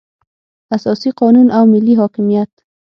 اساسي قانون او ملي حاکمیت.